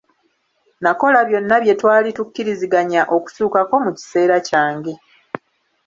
Nakola byonna bye twali tukkiriziganya okutuukako mu kiseera kyange.